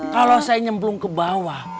kalau saya nyemplung ke bawah